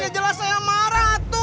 jelas saya marah